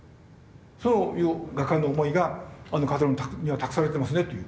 「そういう画家の思いがあの風車には託されてますね」と言う。